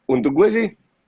untuk gue sih